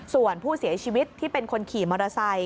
ส่วนผู้เสียชีวิตที่เป็นคนขี่มอเตอร์ไซค